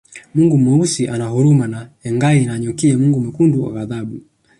Mungu Mweusi ana huruma na Engai Nanyokie Mungu Mwekundu ghadhabu